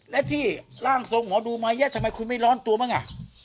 และที่ร่างทรงหมอดูมาเยอะทำไมคุณไม่ร้อนตัวบ้างอ่ะ